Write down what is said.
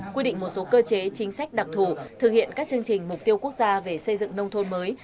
quy định một số cơ chế chính sách đặc thù thực hiện các chương trình mục tiêu quốc gia về xây dựng nông thôn mới